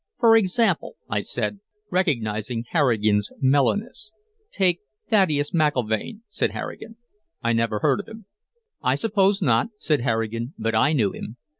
"For example?" I said, recognizing Harrigan's mellowness. "Take Thaddeus McIlvaine," said Harrigan. "I never heard of him." "I suppose not," said Harrigan. "But I knew him.